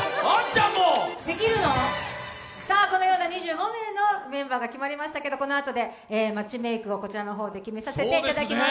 このような２５名のメンバーが決まりましたが、このあとマッチメークをこちらで決めさせていただきます。